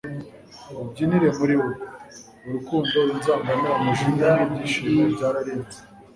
mubyinire muri we. urukundo, inzangano, umujinya n'ibyishimo byararenze